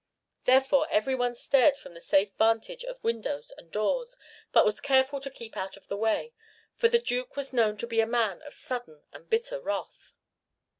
Therefore every one stared from the safe vantage of windows and doors, but was careful to keep out of the way, for the Duke was known to be a man of sudden and bitter wrath.